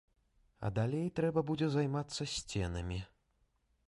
А далей трэба будзе займацца сценамі.